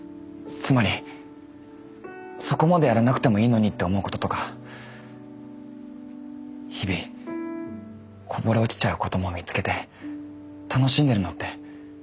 つまりそこまでやらなくてもいいのにって思うこととか日々こぼれ落ちちゃうことも見つけて楽しんでるのって